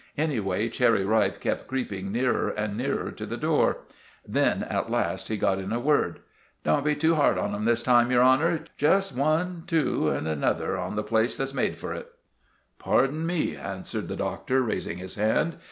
Anyway, Cherry Ripe kept creeping nearer and nearer to the door. Then, at last, he got in a word. "Don't be too hard on 'em this time, your honour. Just one, two, and another on the place that's made for it." "Pardon me," answered the Doctor, raising his hand.